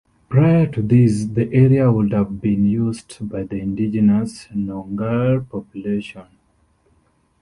Prior to this the area would have been used by the indigenous Noongar population.